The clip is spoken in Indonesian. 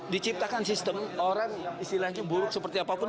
diciptakan sistem orang istilahnya buruk seperti apapun